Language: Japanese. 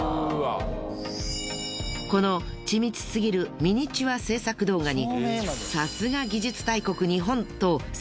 この緻密すぎるミニチュア制作動画に。